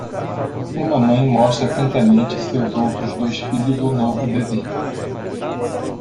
Uma mãe mostra atentamente seus outros dois filhos o novo bebê